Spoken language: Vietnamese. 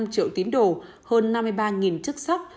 hai mươi sáu năm triệu tín đồ hơn năm mươi ba chức sắc